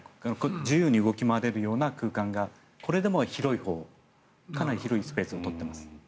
自由に動き回れるような空間がこれでも広いほうかなり広いスペースを取っています。